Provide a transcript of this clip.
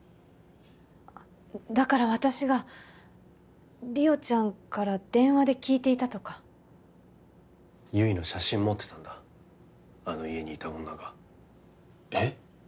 だから私が莉桜ちゃんから電話で聞いていたとか悠依の写真持ってたんだあの家にいた女がえっ！？